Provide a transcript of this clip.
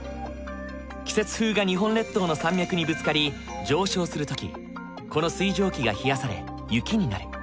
季節風が日本列島の山脈にぶつかり上昇する時この水蒸気が冷やされ雪になる。